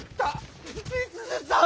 美鈴さん！